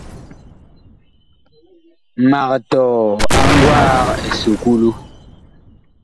Mag tɔɔ a ngwaag esukulu.